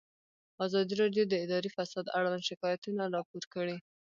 ازادي راډیو د اداري فساد اړوند شکایتونه راپور کړي.